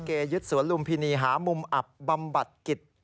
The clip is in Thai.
ยึดสวนลุมพินีหามุมอับบำบัดกิจ